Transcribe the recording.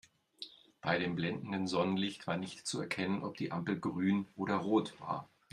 Bei dem blendenden Sonnenlicht war nicht zu erkennen, ob die Ampel grün oder rot war.